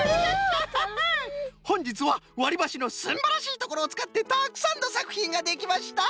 ほんじつはわりばしのすんばらしいところをつかってたくさんのさくひんができました。